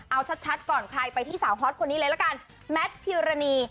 เอาชัดก่อนใครไปที่สาวฮอตคนนี้เลยละกันแมทพิวรณี